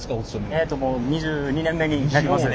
えっともう２２年目になりますね。